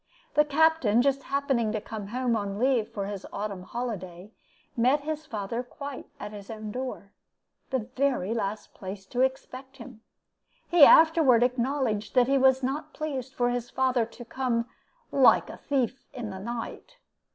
The Captain, just happening to come home on leave for his autumn holiday, met his father quite at his own door the very last place to expect him. He afterward acknowledged that he was not pleased for his father to come 'like a thief in the night.'